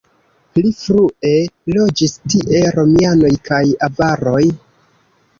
Pli frue loĝis tie romianoj kaj avaroj.